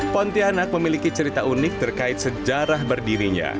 pontianak memiliki cerita unik terkait sejarah berdirinya